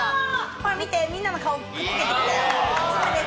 ほら見て、みんなの顔をくっつけてきたよ。